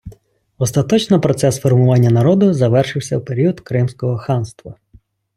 Остаточно процес формування народу завершився в період Кримського ханства.